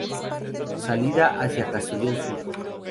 Salida hacia Castellón sur.